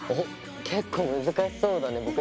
結構難しそうだね。